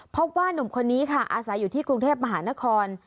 พบว่านุ่มคนนี้ค่ะอาศัยอยู่ที่กรุงเทพมหานคร